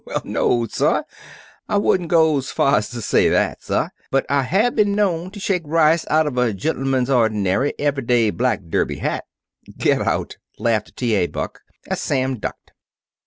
"Well, no, sah! Ah wouldn' go's fah as t' say that, sah. But Ah hab been known to shake rice out of a gen'lman's ordinary, ever' day, black derby hat." "Get out!" laughed T. A. Buck, as Sam ducked.